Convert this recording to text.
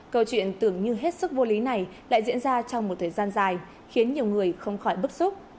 câu chuyện tưởng như hết sức vô lý này lại diễn ra trong một thời gian dài khiến nhiều người không khỏi bức xúc